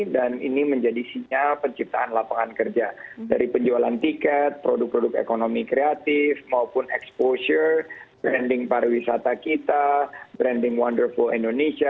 dan ini menjadinya penciptaan lapangan kerja dari penjualan tiket produk produk ekonomi kreatif maupun exposure branding pariwisata kita branding wonderful indonesia